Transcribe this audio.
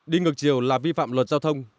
đi ngược chiều là vi phạm luật giao thông